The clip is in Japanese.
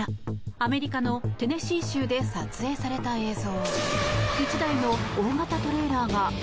アメリカのテネシー州で撮影された映像。